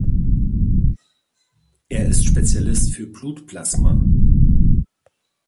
Er ist Spezialist für Blutplasma.